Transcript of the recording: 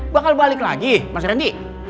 bakal balik lagi mas randy